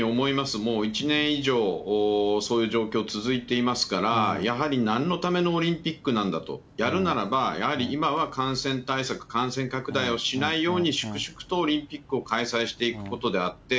もう１年以上そういう状況続いていますから、やはりなんのためのオリンピックなんだと、やるならば、やはり今は感染対策、感染拡大をしないように粛々とオリンピックを開催していくことであって。